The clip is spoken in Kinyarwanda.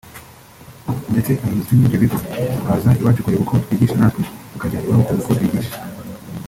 ndetse abayobozi b’ibyo bigo baza iwacu kureba uko twigisha natwe tukajya iwabo kureba uko bigisha